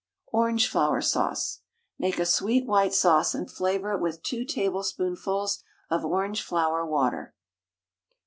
ORANGE FLOWER SAUCE Make a sweet white sauce, and flavour it with 2 tablespoonfuls of orangeflower water.